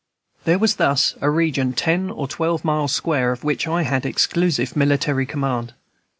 There was thus a region ten or twelve miles square of which I had exclusive military command.